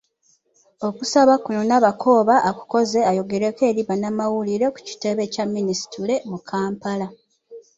Okusaba kuno Nabakooba akukoze ayogerako eri bannamawulire ku kitebe kya Minisitule mu Kampala.